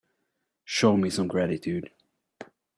Show me some gratitude.